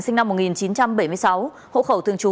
sinh năm một nghìn chín trăm bảy mươi sáu hộ khẩu thường trú